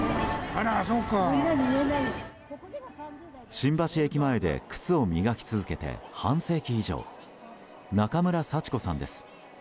新橋駅前で靴を磨き続けて半世紀以上中村幸子さんです。